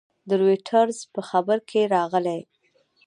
د رویټرز په خبر کې راغلي